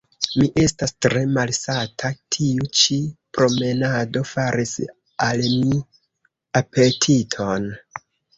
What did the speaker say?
Mi estas tre malsata; tiu ĉi promenado faris al mi apetiton.